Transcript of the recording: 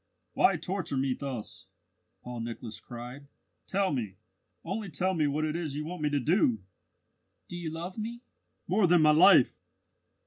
"Why torture me thus?" Paul Nicholas cried. "Tell me only tell me what it is you want me to do!" "Do you love me?" "More than my life."